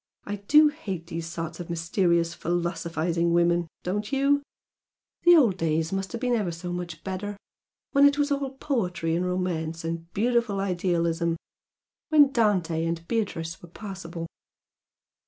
"I do hate these sorts of mysterious, philosophising women, don't you? The old days must have been ever so much better! When it was all poetry and romance and beautiful idealism! When Dante and Beatrice were possible!"